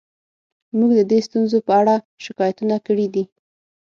موږ د دې ستونزو په اړه شکایتونه کړي دي